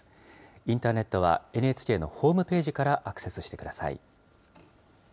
インターネットはＮＨＫのホームページからアクセスしてください。